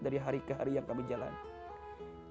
dari hari ke hari yang kami jalankan